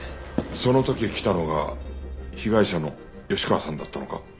その時来たのが被害者の吉川さんだったのか？